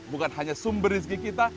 bukan hanya sumber rizki kita